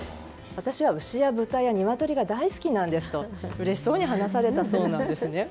私は牛や豚やニワトリが大好きなんですと、うれしそうに話されたそうなんです。